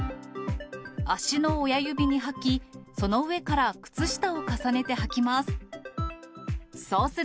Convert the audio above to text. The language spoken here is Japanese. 足の親指にはき、その上から靴下を重ねてはきます。